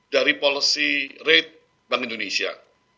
dari policy rate bank indonesia